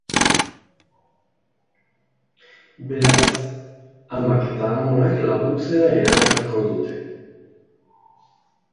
Beraz, amak eta amonak laguntzea erabakiko dute.